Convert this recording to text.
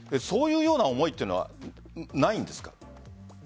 そういうような思いはないんですか？